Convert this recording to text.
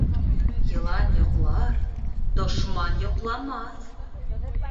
Йылан йоҡлар, дошман йоҡламаҫ.